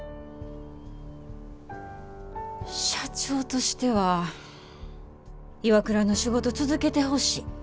社長としてはＩＷＡＫＵＲＡの仕事続けてほしい。